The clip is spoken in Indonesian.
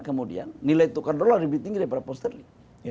kemudian nilai tukar dolar lebih tinggi daripada posterly